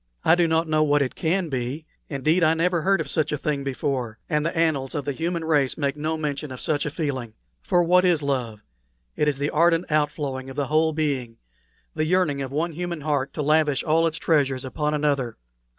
I do not know what it can be indeed, I never heard of such a thing before, and the annals of the human race make no mention of such a feeling. For what is love? It is the ardent outflow of the whole being the yearning of one human heart to lavish all its treasures upon another.